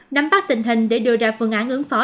nắm bắt tình hình để đưa ra phương án ứng phó